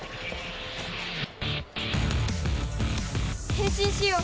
変身しよう。